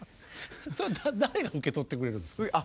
それ誰が受け取ってくれるんです？